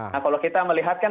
nah kalau kita melihatkan